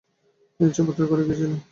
তিনি ইচ্ছাপত্র করে গিয়েছিলেন।